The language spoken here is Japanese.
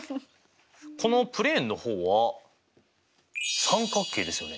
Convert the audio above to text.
このプレーンの方は三角形ですよね？